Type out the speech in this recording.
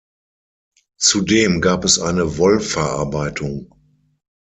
Zudem gab es eine Wollverarbeitung.